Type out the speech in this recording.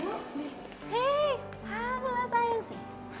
hei apa lah sayang sih